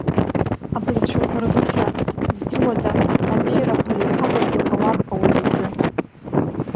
Абызшәақәа рдырра, издыруада, абеиарақәа иреиҳазаргьы ҟалап ауаҩы изы.